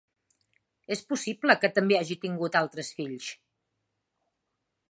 És possible que també hagi tingut altres fills.